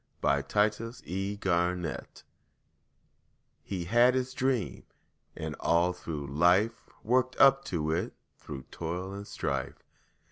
HE HAD HIS DREAM He had his dream, and all through life, Worked up to it through toil and strife.